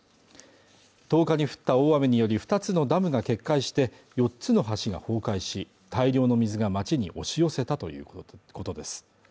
１０日に降った大雨により２つのダムが決壊して４つの橋が崩壊し大量の水が町に押し寄せたということです